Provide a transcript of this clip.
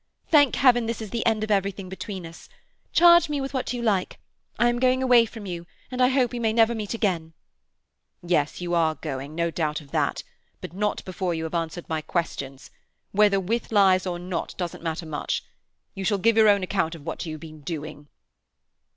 Thank Heaven, this is the end of everything between us! Charge me with what you like. I am going away from you, and I hope we may never meet again." "Yes, you are going—no doubt of that. But not before you have answered my questions. Whether with lies or not doesn't matter much. You shall give your own account of what you have been doing."